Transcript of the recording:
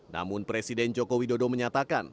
namun presiden joko widodo menyatakan